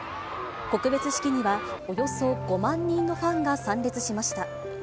告別式にはおよそ５万人のファンが参列しました。